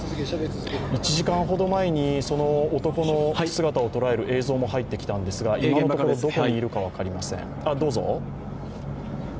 １時間ほど前にその男の姿を捉える映像が入ってきましたが、今どこにいるのか分かりません。